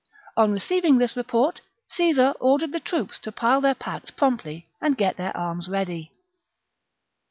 On receiving this report Caesar ordered the troops to pile their packs promptly and get their arms ready.